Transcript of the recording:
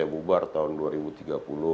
yang kemudian bubar tahun dua ribu tiga puluh